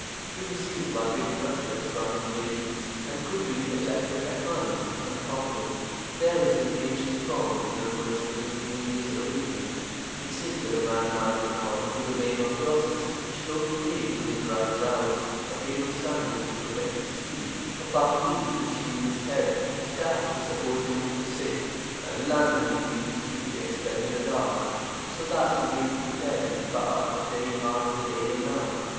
He received but little respect from his relations, and could be ejected at once if unpopular. There is an ancient proverb in reference to this dubious arrangement, which says that a man married according to the Bema process should only take to his bride's house a pair of sandals to protect his feet, a palm leaf to shield his head, a staff to support him if sick, and a lantern in case he should be expelled in the dark, so that he may be prepared to depart at any hour of the day or night.